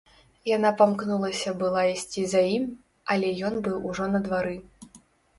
Яна памкнулася была ісці за ім, але ён быў ужо на двары.